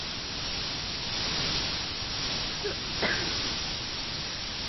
毕业于辽宁省委党校法学专业。